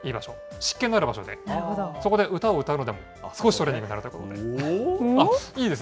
湿気のある場所で、そこで歌を歌うのでも、少しトレーニングになるということです。